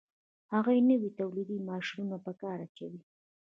هغه نوي تولیدي ماشینونه په کار اچوي